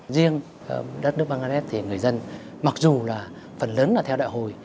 riêng đất nước bangladesh thì người dân mặc dù phần lớn là theo đại hồi